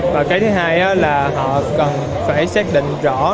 và cái thứ hai là họ cần phải xác định rõ